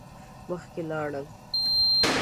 مخکی لاړل.